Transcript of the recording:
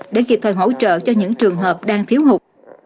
để kịp thời hỗ trợ cho những trường hợp đang thiếu hụt